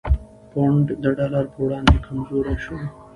پونډ د ډالر په وړاندې کمزوری شو؛